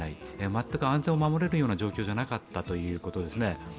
全く安全を守れるような状況じゃなかったということですね。